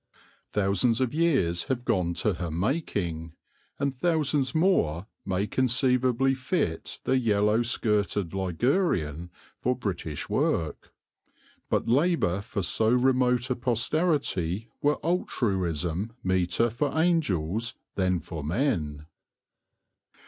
Thousands of years have gone to her making, and thousands more may conceivably fit the yellow skirted Ligurian for British work. But labour for so remote a posterity were altruism meeter for angels than for men.